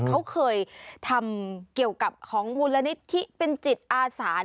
เขาเคยทำเกี่ยวกับของมูลนิธิเป็นจิตอาสา